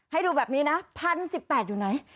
ให้ดูแบบนี้นะพันสิบแปดอยู่ไหน